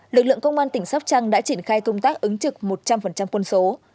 lực lượng công an tỉnh sóc trăng đã triển khai công tác ứng trực một trăm linh quân số